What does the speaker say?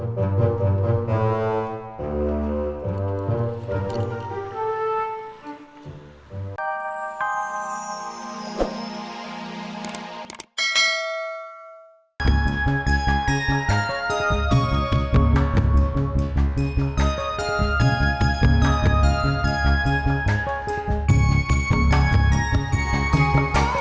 terima kasih mas amar